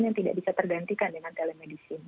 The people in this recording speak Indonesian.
yang tidak bisa tergantikan dengan telemedicine